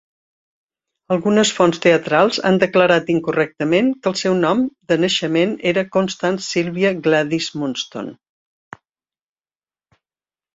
Algunes fonts teatrals han declarat incorrectament que el seu nom de naixament era Constance Sylvia Gladys Munston.